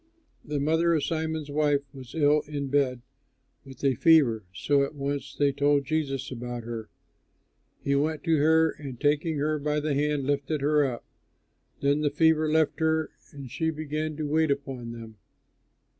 The mother of Simon's wife was ill in bed with a fever; so at once they told Jesus about her. He went to her and, taking her by the hand, lifted her up. Then the fever left her, and she began to wait upon them.